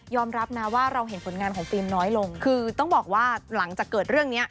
รับนะว่าเราเห็นผลงานของฟิล์มน้อยลงคือต้องบอกว่าหลังจากเกิดเรื่องเนี้ย